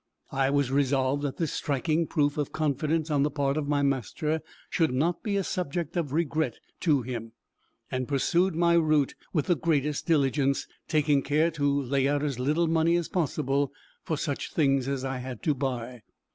I was resolved that this striking proof of confidence on the part of my master should not be a subject of regret to him, and pursued my route with the greatest diligence, taking care to lay out as little money as possible for such things as I had to buy.